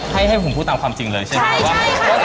ให้ผมพูดตามความจริงเลยใช่ไหมครับว่า